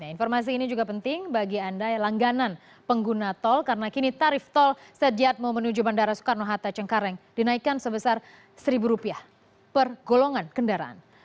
informasi ini juga penting bagi anda yang langganan pengguna tol karena kini tarif tol sediatmo menuju bandara soekarno hatta cengkareng dinaikkan sebesar rp satu per golongan kendaraan